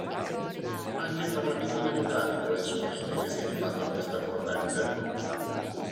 Anche il Partito Democratico ha esponenti che si rifanno a questa corrente.